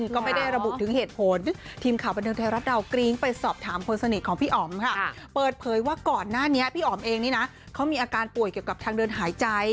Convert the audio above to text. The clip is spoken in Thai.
ก่อนหน้านี้พี่อ๋อมเองนี่นะเขามีอาการป่วยเกี่ยวกับทางเดินหายใจ